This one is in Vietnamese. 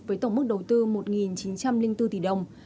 với tổng mức đầu tư một chín trăm linh bốn tỷ đồng